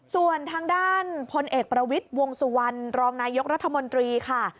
ส่วนทางด้านพลเอกประวิทย์วงสุวรรณรองนายกรัฐมนตรีค่ะ